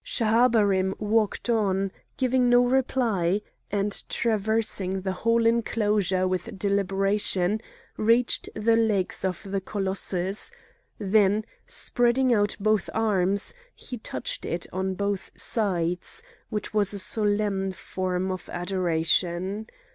Schahabarim walked on, giving no reply, and, traversing the whole enclosure with deliberation, reached the legs of the colossus; then, spreading out both arms, he touched it on both sides, which was a solemn form of adoration.